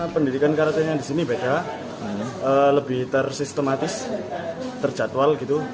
pendidikan karakter yang di sini beda lebih tersistematis terjadwal gitu